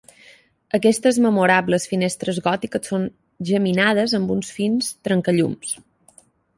Aquestes memorables finestres gòtiques són geminades amb uns fins trencallums.